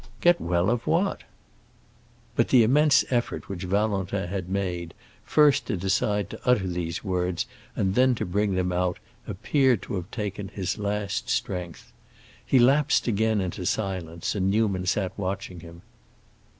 "Get well of what?" But the immense effort which Valentin had made, first to decide to utter these words and then to bring them out, appeared to have taken his last strength. He lapsed again into silence, and Newman sat watching him.